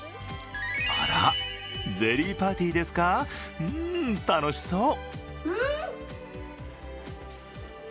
あら、ゼリーパーティーですかうん、楽しそう！